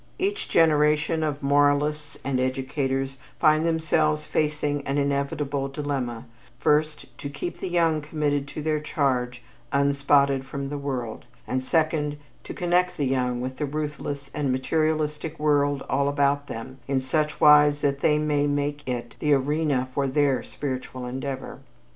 Each generation of moralists and educators find themselves facing an inevitable dilemma; first, to keep the young committed to their charge "unspotted from the world," and, second, to connect the young with the ruthless and materialistic world all about them in such wise that they may make it the arena for their spiritual endeavor.